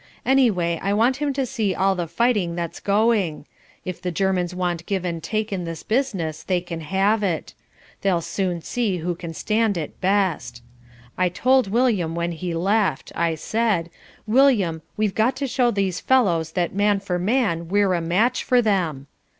Anyway I want him to see all the fighting that's going. If the Germans want give and take in this business they can have it. They'll soon see who can stand it best. I told William when he left. I said, 'William, we've got to show these fellows that man for man we're a match for them.'